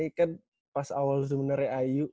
ini kan pas awal lu sebenernya ayu